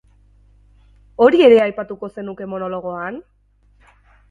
Hori ere aipatuko zenuke monologoan?